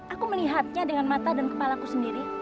aku melihatnya dengan mata dan kepala ku sendiri